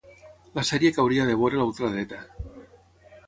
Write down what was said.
La sèrie que hauria de veure la ultradreta